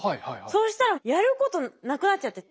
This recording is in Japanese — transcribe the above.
そうしたらやることなくなっちゃって。